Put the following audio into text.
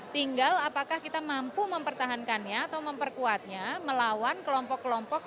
tinggal apakah kita mampu mempertahankannya atau memperkuatnya melawan kelompok kelompok